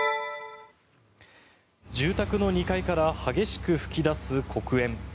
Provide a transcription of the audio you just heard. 住宅の２階から激しく噴き出す黒煙。